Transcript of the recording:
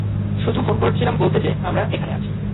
শুধু ফোন করছিলাম বলতে যে আমরা এখানে আছি।